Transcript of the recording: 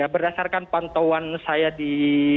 berdasarkan pantauan saya di